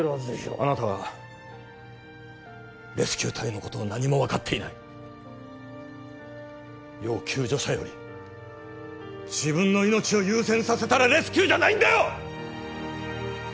あなたはレスキュー隊のことを何も分かっていない要救助者より自分の命を優先させたらレスキューじゃないんだよ！